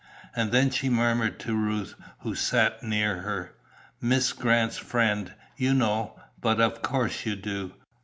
And then she murmured to Ruth, who sat near her, "Miss Grant's friend, you know, but of course you do.